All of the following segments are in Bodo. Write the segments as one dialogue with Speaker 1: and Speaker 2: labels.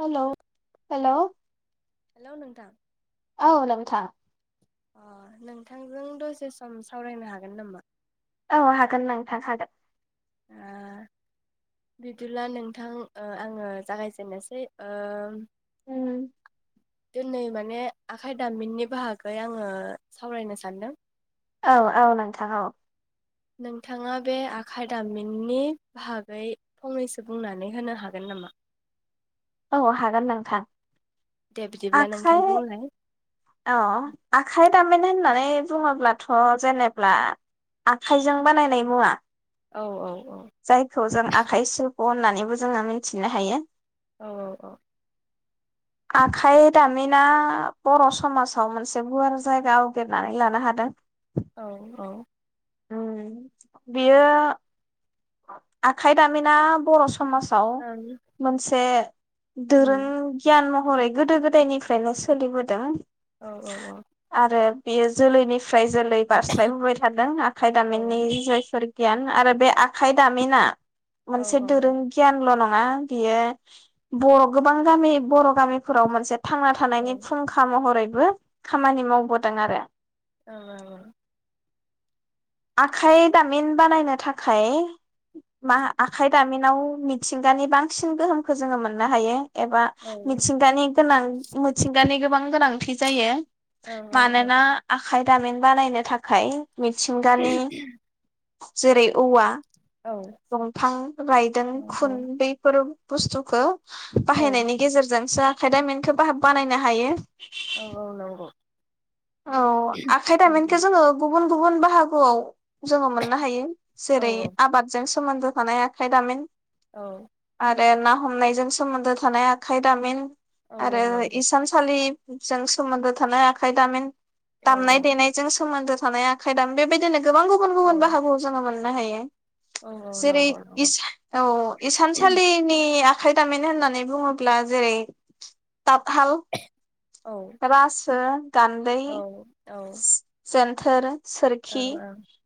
Speaker 1: हेलौ हेलौ
Speaker 2: हेलौ नोंथां
Speaker 1: औ नोंथां
Speaker 2: अ नोंथांजों दसे सम सावरायनो हागोन नामा
Speaker 1: औ हागोन नोंथां हागोन
Speaker 2: ओ बिदिब्ला नोंथां ओ आङो जागायजेननोसै ओ
Speaker 1: उम
Speaker 2: दोनै माने आखाइ दामिननि बाहागै आङो सावरायनो सानदों
Speaker 1: औ औ नोंथां औ
Speaker 2: नोंथाङा बे आखाइ दामिननि बाहागै फंनैसो बुंनानै होनो हागोन नामा
Speaker 1: औ हागोन नोंथां
Speaker 2: दे बिदिब्ला नोंथां
Speaker 1: आखाय
Speaker 2: बुंलाय
Speaker 1: अ आखाय दामिन होननानै बुङोब्लाथ' जेनेब्ला आखाइजों बानायनाय मुवा
Speaker 2: औ औ औ
Speaker 1: जायखौ जों आखाइ सु होननानैबो जोङो मिथिनो हायो
Speaker 2: औ औ औ
Speaker 1: आखाइ दामिना बर' समासाव मोनसे गुवार जायगा आवग्रिनानै लानो हादों
Speaker 2: औ औ
Speaker 1: ओ बियो आखाइ दामिना बर' समा समाजाव
Speaker 2: औ ओं
Speaker 1: मोनसे
Speaker 2: उम
Speaker 1: दोरोंगियान हरै गोदो गोदायनिफ्रायनो सोलिबोदों
Speaker 2: औ औ औ
Speaker 1: आरो बेयो जोलैनिफ्राय जोलै बारस्लायबोबाय थादों आखाइ
Speaker 2: औ
Speaker 1: दामिननि जायफोर गियान आरो बे आ खाय दामिना
Speaker 2: औ
Speaker 1: मोनसे
Speaker 2: औ
Speaker 1: दोरों गियानल' नङा बियो बर' गोबां गामि बर' गामिफोराव मोनसे थांना
Speaker 2: औ
Speaker 1: थानायनि फुंखा महरै बो खामानि मावबोदों आरो
Speaker 2: औ औ औ
Speaker 1: आखाइ दामिन बानायनो थाखाय मा आखाइ दामिनाव मिथिंगानि बांसिन गोहोमखौ जोङो मोननो हायो एबा
Speaker 2: औ
Speaker 1: मिथिंगानि गोनां मिथिंगानि गोबां गोनांथि जायो
Speaker 2: औ औ
Speaker 1: मानोना आ आखाय दामिन बानायनो थाखाय
Speaker 2: औ
Speaker 1: मिथिंगानि जेरै औवा
Speaker 2: औ
Speaker 1: दंफां रायदों
Speaker 2: औ
Speaker 1: खुनन्दैफोर बुस्थुखौ
Speaker 2: औ
Speaker 1: बाहायनायनि गेजेरजोंसो खायदामेनखौ बा-बानायनो हायो
Speaker 2: औ औ नंगौ
Speaker 1: औ आखाइ दामिनखौ जोङो गुबु गुबुन गुबुन बाहागोआव जोङो मोननो हायो
Speaker 2: औ
Speaker 1: जेरै आबादजों सोमोन्दो थानाय आखाय दामिन
Speaker 2: औ
Speaker 1: आरो ना हमनायजों सोमोन्दो थानाय आखाइ दामिन
Speaker 2: औ
Speaker 1: आरो
Speaker 2: नंगौ
Speaker 1: इसान सालि जों सोमोन्दो थानाय आखाइ दामिन
Speaker 2: औ
Speaker 1: दामनाय देनायजों सो सोमोन्दो थानाय आखाइ दामिन बेबायदिनो गोबां गुबुन
Speaker 2: औ
Speaker 1: गुबुन बाहागोआव जोङो मोन नो हायो
Speaker 2: औ
Speaker 1: जेरै
Speaker 2: नंगौ नंगौ
Speaker 1: इस- औ इसानसालिनि आ खैदामिन होननानै बुङोब्ला जेरै ताब हाल
Speaker 2: औ
Speaker 1: एबास ओ गान्दै
Speaker 2: औ औ
Speaker 1: थोर
Speaker 2: औ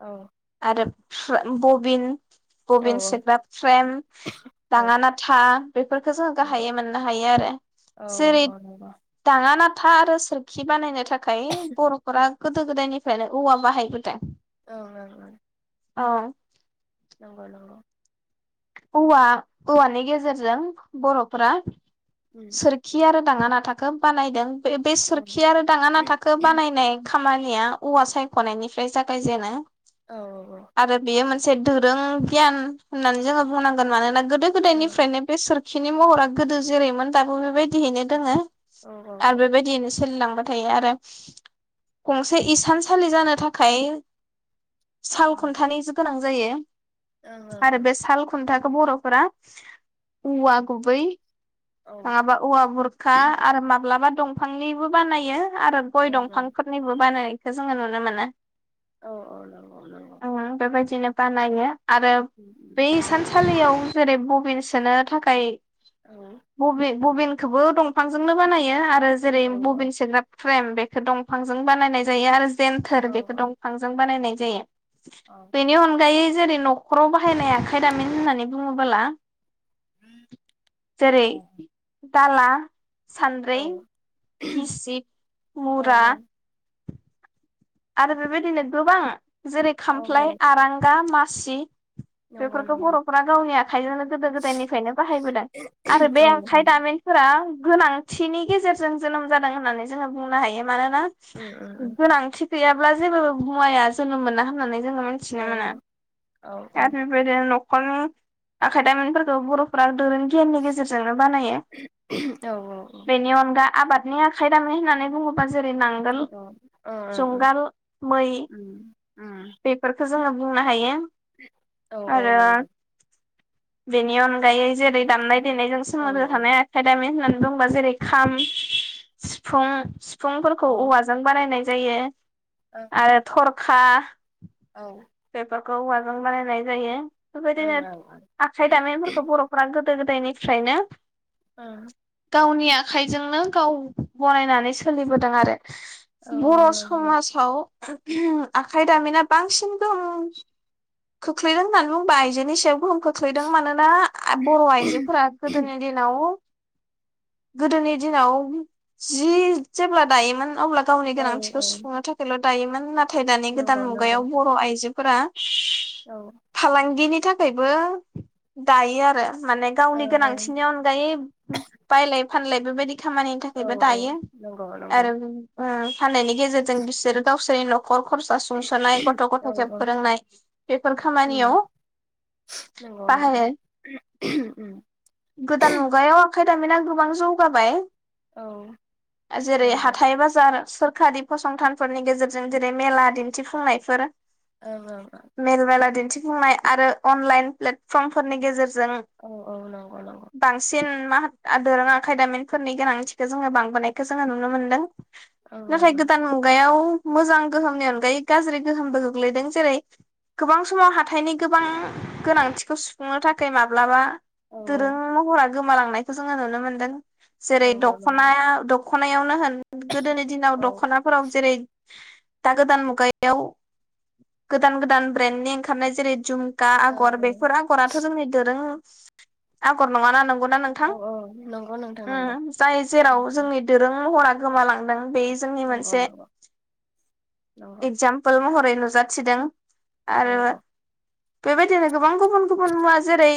Speaker 2: औ औ
Speaker 1: आरो [unintelligible] बबिन
Speaker 2: औ
Speaker 1: बबिन
Speaker 2: औ नंगौ ओं ओं नंगौ
Speaker 1: सोग्रा फ्रेम
Speaker 2: नंगौ ओम
Speaker 1: दाङा
Speaker 2: औ
Speaker 1: नाथा बेफोरखौ
Speaker 2: औ
Speaker 1: जोंङो
Speaker 2: औ
Speaker 1: गाहायै
Speaker 2: औ
Speaker 1: मोननो हायो आरो
Speaker 2: औ
Speaker 1: जेरै
Speaker 2: औ औ
Speaker 1: दाङा नाथ [unintelligible] आरो सोरखि बानायनो थाखाय खाय बर'फोरा गोदो गोदायनिफ्रायनो औवा बाहायबोदों
Speaker 2: ओं ओं
Speaker 1: अ
Speaker 2: नंगौ नंगौ
Speaker 1: औवा औवानि गेजेरजों बर'फोरा
Speaker 2: ओम
Speaker 1: सोरखि आरो दाङा नाथाखो बानायदों बे
Speaker 2: ओम
Speaker 1: सोरखि आरो दाङा नाथाखौ बानायनाय खामानिया औवा सायख'नायनिफ्राय जागायजेनो
Speaker 2: औ औ औ
Speaker 1: आरो बेयो मोनसे दोरों गियान होननानै जोङो बुंनांगोन मानोना गोद गोदो
Speaker 2: औ
Speaker 1: गोदायनिफ्रायनो बे सोर खिनि महरा गोदो जेरैमोन दाबो बेबायदिहैनो दोङो
Speaker 2: औ
Speaker 1: आरो बेबायदियैनो सोलिलां नाथाय आरो गंसे इसानसालि जानो थाखाय साल खनथानि जि गोनां जायो आरो बे साल खुनथाखो बर'फोरा औवा गुबै माबा औवा बुरखा आरो माब्लाबा दंफांनिबो बानायो आरो गय दंफांफोरनिबो बानायो बेखौ जोङो नुनो मोनो
Speaker 2: औ औ नंगौ नंगौ
Speaker 1: ओम बेबायदिनो बानायो आरो बै सानसे खालियाव जेरै बबिन सोनो थाखाय बबिन बबिन एखोबो दंफांजोंनो बानायो आरो ओ जेरै बबिन सोग्रा फ्रेम बेखौ दंफांजों बानायनाय जायो आरो जेनथोर बेखौ दंफांजों बानायनाय जायो बिनि अनगायै जेरै न'खराव बाहायनाय आखाय दामिन होननानै बुङोबोला जेरै दाला
Speaker 2: औ
Speaker 1: सानद्रै
Speaker 2: औ
Speaker 1: गिसिब
Speaker 2: औ
Speaker 1: मुरा आरो बेबायदिनो गोबां जेरै
Speaker 2: औ औ
Speaker 1: खामफ्लाय आरांगा मा सि
Speaker 2: नंगौ
Speaker 1: बेफोरखौ
Speaker 2: नंगौ
Speaker 1: बर'फोरा गावनि आखाइजोंनो गोदो गोदायनिफायनो बाहायबोदों आरो बे
Speaker 2: औ
Speaker 1: आखाइ
Speaker 2: औ
Speaker 1: दामिनफोरा गोनांथिनि गेजेरजों जोनोम जादों होननानै जोङो बुंनो हायो मानोना
Speaker 2: उम उम उम
Speaker 1: गोनांथि गैयाब्ला जेबो मुवाया जोनोम मोना होननानै जोङो मिथिनो
Speaker 2: औ
Speaker 1: मोनो
Speaker 2: औ औ
Speaker 1: आरो बेबायदिनो न खर'नि आखाय दामिनफोरखौ बर'फोरा केेननि गेजेरजोंनो बानायो
Speaker 2: औ औ
Speaker 1: बेनि अनगा आबादनि आखाइ दामिन होननानै बुङोबा जेरै नांगोल
Speaker 2: ओ ओ
Speaker 1: जुंगाल मै
Speaker 2: उम उम
Speaker 1: बेफोरखो जोङो बुंनो हायो
Speaker 2: औ औ
Speaker 1: आरो
Speaker 2: नंगौ
Speaker 1: बेनि अन गायो जेरै दामनाय देनायजों
Speaker 2: औ
Speaker 1: सोमोन्दो थानाय आखाइ दामिन होननानै दंबा जेरै खाम सिफुं फुंफोरखौ औवाजों बानायनाय जायो आरो थरखा
Speaker 2: औ
Speaker 1: बेफोरखौ औवाजों बानायनाय जायो बेफोरबायदिनो
Speaker 2: औ औ
Speaker 1: आखाइ दामिफोरखौ बर'फोरा गो गोदो गोदायनिफ्रायनो
Speaker 2: ओ
Speaker 1: गावनि आखाइजोंनो गाव गनायनानै सोलिबोदों आरो
Speaker 2: ओं ओं औ
Speaker 1: बर'
Speaker 2: नंगौ
Speaker 1: समासाव आखाइ दामिना बांसिन गोमखोख्लैदों होननानै बुंबा आइजोनि सायाव गोहोम खोख्लैदों मानोना बर' आइजोफोरा गोदोनि दिनाव गोदोनि दिनाव जि जेब्ला दायोमोन अब्ला गावनि
Speaker 2: औ
Speaker 1: गोनांथिखौ
Speaker 2: औ
Speaker 1: सुफुंनो थाखायल' दायोमोन नाथ थाय दानि गोदान
Speaker 2: नंगौ नंगौ
Speaker 1: मुगायाव बर' आइजो फोरा
Speaker 2: औ
Speaker 1: फालांगिनि थाखाय थाखायबो दायो आरो माने गावनि
Speaker 2: ओं ओं
Speaker 1: गोनांथिनि अनगायै बायलाय फानलाय बेबादि खामानिनि थाखायबो
Speaker 2: औ औ
Speaker 1: दायो
Speaker 2: नंगौ नंगौ
Speaker 1: आरो ओ फाननाय नि गेजेरजों बिसोरो गावसो [unintelligible] नखर खरसा सुंस'नाय गथ'
Speaker 2: औ
Speaker 1: गथायखो
Speaker 2: औ
Speaker 1: फोरोंनाय बेफोर
Speaker 2: उम
Speaker 1: खामानियाव
Speaker 2: नंगौ नंगौ
Speaker 1: बाहायो
Speaker 2: उम
Speaker 1: गोदान मुगायाव आखाइ दामिना गोबां जौगाबाय
Speaker 2: औ
Speaker 1: जेरै
Speaker 2: नंगौ
Speaker 1: हाथाइ बाजार सोरखारि फसंथानफोरनि गेजेरजों जेरै मेला दिन्थिफुंनायफोर
Speaker 2: ओं ओं
Speaker 1: मेल मेला दिन्थिफुंनाय आरो अनलाइन प्लेटफर्मफोरनि गेजेर जों
Speaker 2: औ औ नंगौ नंगौ
Speaker 1: बांसिन मा दोरों आखाय दामिनफोरनि गोनांथिखौ जोङो बांबोनायखौ जोङो नुनो मोनदों
Speaker 2: ओं ओं
Speaker 1: नाथाय
Speaker 2: ओं
Speaker 1: गोदान मुगायाव मोजां गोहोमनि अनगायै गाज्रि गोहोमबो गोग्लैदों जेरै गोबां समाव हाथाइनि गोबां गोनांथिखौ सुफुंनो थाखाय माब्लाबा
Speaker 2: औ औ
Speaker 1: दोरों महरानो गोमालांनायखौ जोङो नुनो मोन्दों जेरै
Speaker 2: नंगौ नंगौ
Speaker 1: दख'नाया द दख'नायावनो होन गोदोनि दिनाव
Speaker 2: औ
Speaker 1: दख'नाफोराव जेरै दा गोदान मुगायाव गोदान गोदान ब्रेन्डनि ओंखारनाय जेरै जुम खा
Speaker 2: ओं
Speaker 1: आगर
Speaker 2: ओं
Speaker 1: बेफोर आगराथ' जोंनि दोरों आगर नङा ना नों
Speaker 2: औ
Speaker 1: नोंथां
Speaker 2: औ नंगौ नोंथां नंगौ
Speaker 1: ओम जाय जेराव जोंनि दोरों महर गोमालांदों बे जोंनि
Speaker 2: नंगौ
Speaker 1: मोनसे
Speaker 2: नंगौ नंगौ
Speaker 1: एगजामपोल महरै नुजाथिदों
Speaker 2: औ
Speaker 1: आरो बेबायदिनो गोबां गुबुन गुबुन मुवा जेरै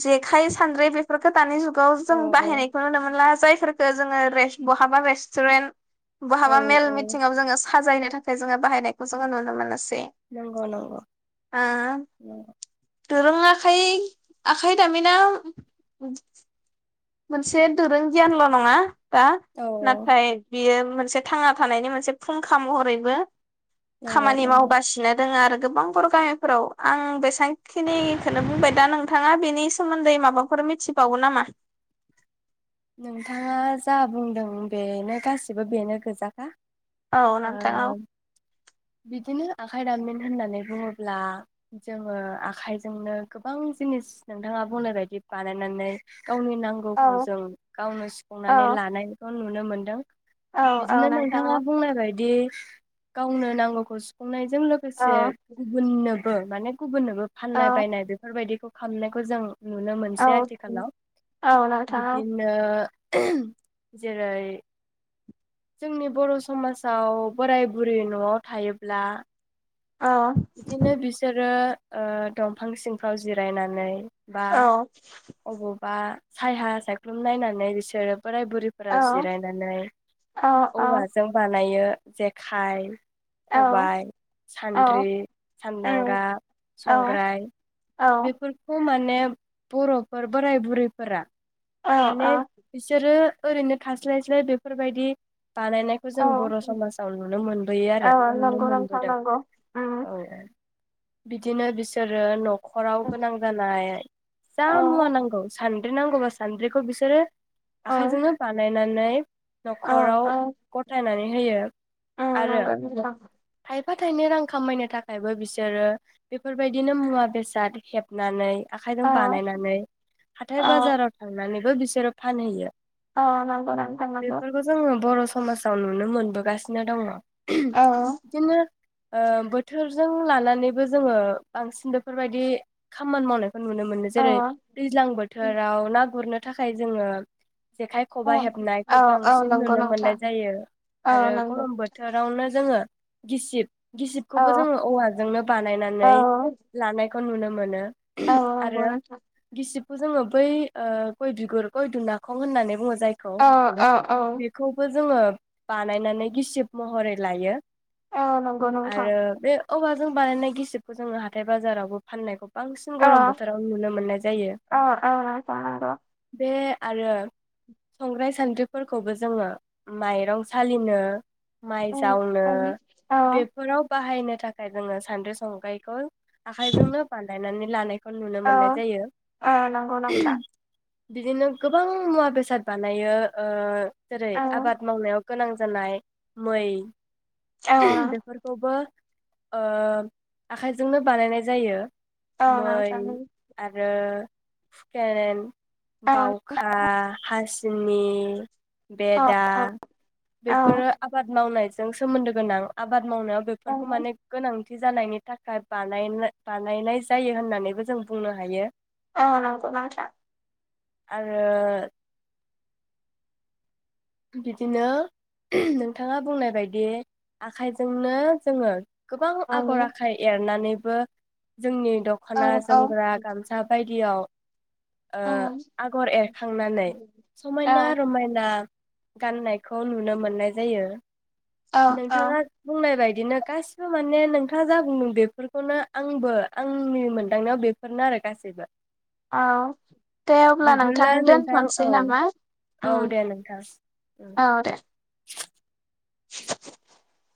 Speaker 1: जेखाय सान्द्रि बेफोरखौ दानि जुगाव
Speaker 2: औ
Speaker 1: जों बाहायनायखौ नुनो मोनला जाय फोरखो जोङो रेस बहाबा रेस टुरेन
Speaker 2: औ
Speaker 1: बहाबा मेल
Speaker 2: औ
Speaker 1: मिथिंयाव जोङो साजायनो थाखाय जोङो बाहायनायखौ जोङो नुनो मोनोसै
Speaker 2: नंगौ नंगौ नंगौ
Speaker 1: दोरों आखाइ आखाइ दामिना मोनसे दोरों गियानल' नङा दा
Speaker 2: औ
Speaker 1: नाथाय बियो मोनसे थांना थानायनि मोनसे फुंखा महरैबो
Speaker 2: नंगौ
Speaker 1: खामानि
Speaker 2: नंगौ
Speaker 1: मावगासिनो दोङो आरो गोबां बर' गामिफोराव आं बेसेबांखिनिखौनो बुंबाय दा नोंथाङा बेनि सोमोन्दै माबाफोर मिथिबावो नामा
Speaker 2: नोंथाङा जा बुंदों बेनो गासिबो बेनो गोजाखा
Speaker 1: औ नोंथां औ
Speaker 2: ओ बिदिनो आखाइ दामिन होननानै बुङोब्ला जोङो आखाइजोंनो गोबां जिनिस नोंथाङा बुंनाय बायदि बानायनानै गावनि नांगौखौ
Speaker 1: औ
Speaker 2: जों गावनो सुफुंनानै
Speaker 1: औ
Speaker 2: लानाय बा खौ नुनो मोनदों।
Speaker 1: औ औ
Speaker 2: बिदिनो
Speaker 1: नोंथां
Speaker 2: नोंथाङा
Speaker 1: औ
Speaker 2: बुंना बायदि गावनो नांगौखौ सुफुंनाय जों
Speaker 1: औ
Speaker 2: लोगोसे गुबुननोबो माने गुबुननोबो फाननाय
Speaker 1: औ
Speaker 2: बायनाय बेफोरबायदिखौ खामनायखौ जों नुनो
Speaker 1: औ
Speaker 2: मोनसै आथिखालाव
Speaker 1: औ नोंथां औ।
Speaker 2: ओ [unintelligible] जेरै जोंनि बर' समाजाव बोराय बुरै न'आव थायोब्ला
Speaker 1: औ
Speaker 2: बिदिनो बिसोरो ओ दंफां सिंफ्राव जिरायनानै बा
Speaker 1: औ
Speaker 2: अबब बा सायहा सायख्लुम नायनानै बिसोरो बोराय बुरैफोरा
Speaker 1: औ
Speaker 2: जिरायनानै
Speaker 1: औ औ
Speaker 2: औवाजों बानायो। जेखाय, खबाय, सान
Speaker 1: औ
Speaker 2: द्रि,
Speaker 1: उम
Speaker 2: सानदांगा,
Speaker 1: औ
Speaker 2: संग्राय
Speaker 1: औ
Speaker 2: बेफोरखौ माने बर'फोर बोराय बुरैफोरा
Speaker 1: औ
Speaker 2: माने बिसोरो ओरैनो थास्लाय स्लाय बेफोरबायदि बानायनायखौ जों
Speaker 1: औ
Speaker 2: बर' समाजाव नुनो मोनबोयो आरो
Speaker 1: औ
Speaker 2: नुनो
Speaker 1: नंगौ नोंथां
Speaker 2: मोनबोदों।
Speaker 1: नंगौ उम
Speaker 2: औ औ बिदिनो बिसोरो न' खराव गोनां जानाय जा
Speaker 1: औ
Speaker 2: मुवा नांगौ सान द्रि नांगौबा सानद्रिखौ बिसोरो
Speaker 1: औ
Speaker 2: आखाइजोंनो बानाय नानै
Speaker 1: औ
Speaker 2: न'खराव
Speaker 1: औ
Speaker 2: गथायनानै होयो
Speaker 1: उम
Speaker 2: आरो
Speaker 1: नंगौ नोंथां
Speaker 2: थाय फा थायनै रां खामायनो थाखायबो बिसोरो बेफोर बायदिनो मुवा बेसाद हेबनानै आखाइजों
Speaker 1: औ
Speaker 2: बानायनानै हाथाय
Speaker 1: औ
Speaker 2: बाजाराव थांनानै बो बिसोरो फानहैयो।
Speaker 1: अ नांगौ नोंथां नंगौ
Speaker 2: समासाव नुनो मोनबोगासिनो दङ
Speaker 1: औ
Speaker 2: बिदिनो ओ बोथोरजों लानानैबो जोङो बांसिन बेफोर बायदि खामानि मावनायखौ नुनो मोनो
Speaker 1: औ
Speaker 2: जेरै दैज्लां बोथोराव ना गुरनो थाखाय जोङो जेखाइ
Speaker 1: औ
Speaker 2: खबाइ हेबनायखौ
Speaker 1: औ औ
Speaker 2: बांसिन
Speaker 1: नंगौ
Speaker 2: नुनो मोननाय
Speaker 1: नोंथां
Speaker 2: जायो
Speaker 1: औ
Speaker 2: आरो
Speaker 1: नंगौ
Speaker 2: गरम बोथोरावनो जोङो गिसिब गिसिबखौबो
Speaker 1: औ
Speaker 2: जोङो औवाजोंनो बानायनानै लानाय खौ नुनो मोनो
Speaker 1: औ औ नंगौ नोंथां
Speaker 2: खौ जोङो बै ओ गय बिगुर गय दुनाखं होननानै बुङो जायखौ
Speaker 1: औ औ औ
Speaker 2: बेखौबो जोङो बानायनानै गिसिब महरै लायो
Speaker 1: औ नंगौ नोंथां
Speaker 2: आरो बे औवाजों बानायनाय गिसिबखौ जोङो हाथाय बाजारावबो फाननायखौ बांसिन
Speaker 1: औ
Speaker 2: गरम बोथोराव नुनो मोननाय जायो
Speaker 1: औ औ नोंथां नंगौ
Speaker 2: बे आरो संग्राय सान्द्रिफोरखौबो जोङो माइरं सालिनो माइ जावनो
Speaker 1: औ
Speaker 2: बेफोराव बाहा बाहायनो थाखाय जोङो सानद्रि संग्रायखौ आखाइजोंनो बानायनानै लानाय
Speaker 1: औ ओ नंगौ नोंथां
Speaker 2: बिदिनो गोबां मुवा बेसाद बानायो ओ जेरै
Speaker 1: औ औ
Speaker 2: आबाद मावनायाव गोनां जानाय मै बेफोरखौबो ओ आखाइजोंनो बानायनाय जायो
Speaker 1: ओ [unintelligible]
Speaker 2: ओ हुखेरेन बावखा हासिनि [unintelligible] बेदा बेफोरो आबाद मावनाय जों सोमोन्दो गोनां आबाद मावनाया बेफोरखौ माने गोनां थि जानायनि थाखाय बानायनो बानायनाय जायो होननानैबो जों बुंनो हायो
Speaker 1: अ नंगौ नोंथां
Speaker 2: आरो बिदिनो नोंथाङा बुंनाय बायदि आखाइजोंनो जोङो गोबां आगर आखाइ एरनानै बो जोंनि दख'ना जोमग्रा गामसा बाय दियाव ओ आगर एरखांनानै समायना रमायना गाननायखौ नुनो मोननाय जायो
Speaker 1: औ औ
Speaker 2: नोंथाङा बुंनाय बाय बिदिनो गासिबो माने नोंथाङा जा बुंदों बेफोरखौनो आंबो आंनि मोनदांनायाव बेफोरनो आरो गासैबो
Speaker 1: औ दे अब्ला नोंथां
Speaker 2: बिदिब्ला
Speaker 1: दोनथ'सै नामा उम
Speaker 2: थां ओम
Speaker 1: औ दे। [inaudible]